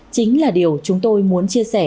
chính là điều chúng tôi muốn chia sẻ